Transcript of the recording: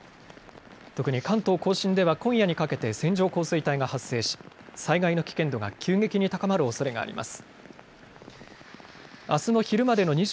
特に関東甲信では今夜にかけて線状降水帯が発生し災害の危険度が急激に高まるおそれがあります。